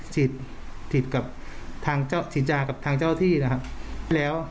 ฉีดจากทางเจ้าที่นะครับ